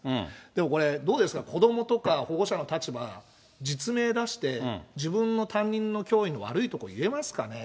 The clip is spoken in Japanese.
でもこれ、どうですか、子どもとか保護者の立場、実名出して、自分の担任の教員の悪いところ言えますかね。